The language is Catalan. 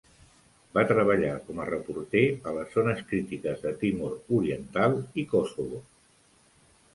Va treballar com a reporter a les zones crítiques de Timor Oriental i Kosovo.